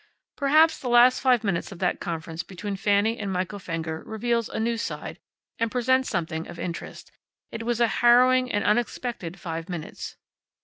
Perhaps the last five minutes of that conference between Fanny and Michael Fenger reveals a new side, and presents something of interest. It was a harrowing and unexpected five minutes.